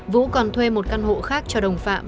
vũ còn thuê một căn hộ khác cho đồng phạm